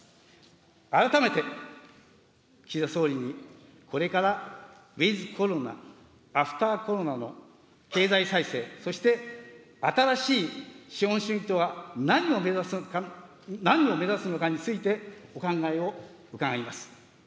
改めて、岸田総理にこれからウィズコロナ・アフターコロナの経済再生、そして新しい資本主義とは何を目指すのかについてお考えを伺います。